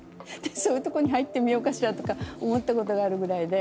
そういうとこに入ってみようかしらとか思ったことがあるぐらいで。